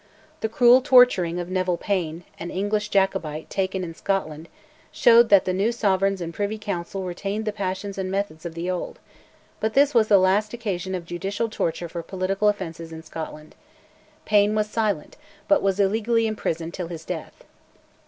The cruel torturing of Nevile Payne, an English Jacobite taken in Scotland, showed that the new sovereigns and Privy Council retained the passions and methods of the old, but this was the last occasion of judicial torture for political offences in Scotland. Payne was silent, but was illegally imprisoned till his death.